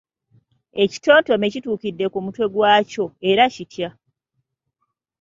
Ekitontome kituukidde ku mutwe gwa kyo, era kitya?